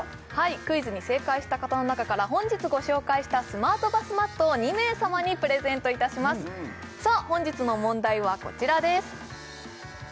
クイズに正解した方の中から本日ご紹介したスマートバスマットを２名様にプレゼントいたしますさあ